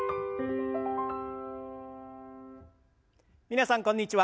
皆さんこんにちは。